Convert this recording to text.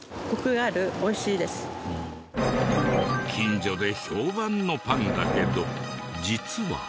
近所で評判のパンだけど実は。